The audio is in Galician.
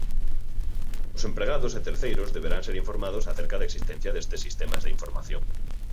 Os empregados e terceiros deberán ser informados acerca da existencia destes sistemas de información.